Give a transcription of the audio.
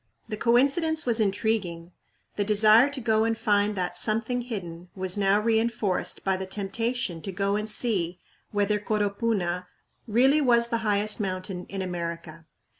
The coincidence was intriguing. The desire to go and find that "something hidden" was now reënforced by the temptation to go and see whether Coropuna really was the highest mountain in America.